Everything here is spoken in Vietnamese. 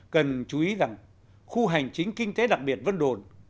cần chú ý rằng khu hành chính kinh tế đặc biệt vân đồn